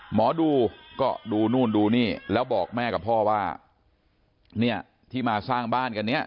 หมอดูก็ดูนู่นดูนี่แล้วบอกแม่กับพ่อว่าเนี่ยที่มาสร้างบ้านกันเนี่ย